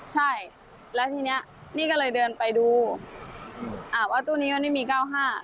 ใช่แล้วทีเนี้ยนี่ก็เลยเดินไปดูอ่าว่าตู้นี้ก็ไม่มีเก้าห้า